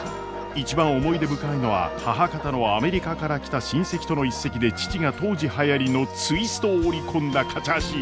一番思い出深いのは母方のアメリカから来た親戚との一席で父が当時はやりのツイストを織り込んだカチャーシー。